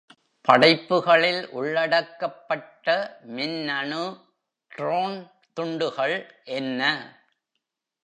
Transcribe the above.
படைப்புகளில் உள்ளடக்கப்பட்ட மின்னணு ட்ரோன் துண்டுகள் என்ன ??